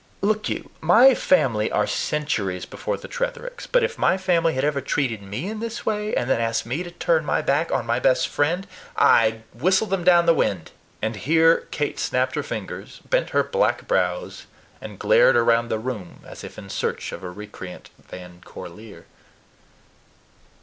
Look you, my family are centuries before the Trethericks; but if my family had ever treated me in this way, and then asked me to turn my back on my best friend, I'd whistle them down the wind;" and here Kate snapped her fingers, bent her black brows, and glared around the room as if in search of a recreant Van Corlear.